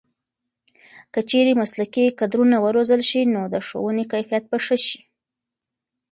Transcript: که چېرې مسلکي کدرونه وروزل شي نو د ښوونې کیفیت به ښه شي.